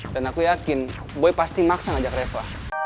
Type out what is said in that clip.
dan aku yakin boy pasti maksa ngajak reva